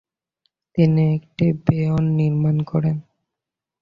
তিনি একটি বেয়ন নির্মাণ করেন।